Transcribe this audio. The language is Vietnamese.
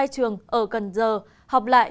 hai trường ở cần giờ học lại